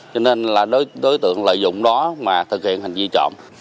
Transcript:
cho nên là đối tượng lợi dụng đó mà thực hiện hành vi trộm